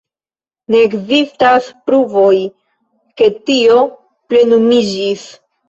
Ne ekzistas pruvoj, ke tio plenumiĝis.